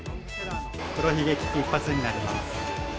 黒ひげ危機一発になります。